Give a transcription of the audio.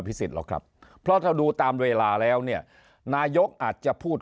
สิทธิหรอกครับเพราะถ้าดูตามเวลาแล้วเนี่ยนายกอาจจะพูด